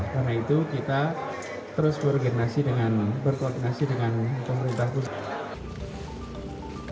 karena itu kita terus berkoordinasi dengan pemerintah pusat